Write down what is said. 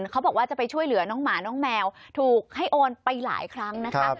เขาบอกว่าจะไปช่วยเหลือน้องหมาน้องแมวถูกให้โอนไปหลายครั้งนะคะ